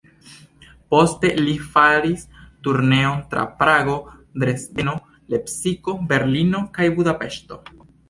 Poste, li faris turneon tra Prago, Dresdeno, Lepsiko, Berlino kaj Budapeŝto.